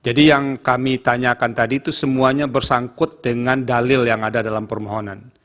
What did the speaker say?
jadi yang kami tanyakan tadi itu semuanya bersangkut dengan dalil yang ada dalam permohonan